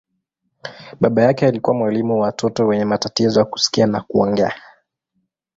Baba yake alikuwa mwalimu wa watoto wenye matatizo ya kusikia na kuongea.